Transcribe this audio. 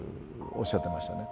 おっしゃってましたね。